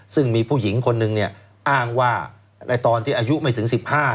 ซึ่งมีผู้หญิงคนหนึ่งเนี่ยอ้างว่าในตอนที่อายุไม่ถึง๑๕